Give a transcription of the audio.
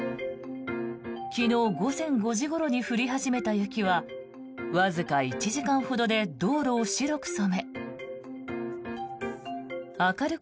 昨日午前５時ごろに降り始めた雪はわずか１時間ほどで道路を白く